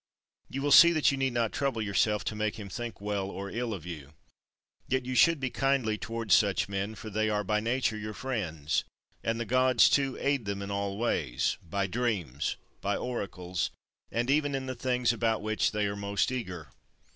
You will see that you need not trouble yourself to make him think well or ill of you. Yet you should be kindly towards such men, for they are by nature your friends: and the Gods, too, aid them in all ways; by dreams, by oracles, and even in the things about which they are most eager.